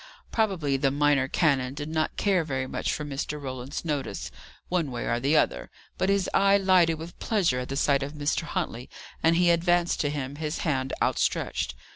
Probably the minor canon did not care very much for Mr. Roland's notice, one way or the other; but his eye lighted with pleasure at the sight of Mr. Huntley, and he advanced to him, his hand outstretched.